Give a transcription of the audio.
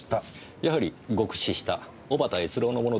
やはり獄死した小幡悦郎のものでしたか。